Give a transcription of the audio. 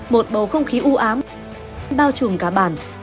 một bầu không khí ưu ám bao trùm cả bản